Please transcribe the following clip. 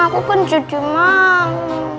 aku kan jadi nangis